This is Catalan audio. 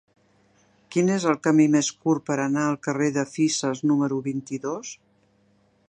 Quin és el camí més curt per anar al carrer de Fisas número vint-i-dos?